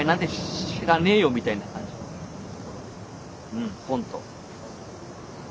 うんほんと。